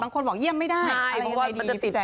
บางคนบอกเยี่ยมไม่ได้อะไรดีแจ๊กกะลีใช่เพราะว่ามันจะติดเชื้อ